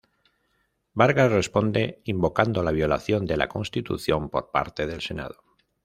Vargas responde invocando la violación de la constitución por parte del Senado.